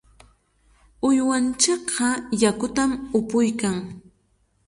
Uywanchikqa yakutam upuykaayan.